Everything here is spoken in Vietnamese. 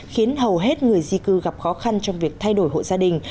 khiến hầu hết người di cư gặp khó khăn trong việc thay đổi hộ gia đình